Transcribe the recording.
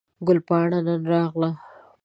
ګل پاڼه نن راغله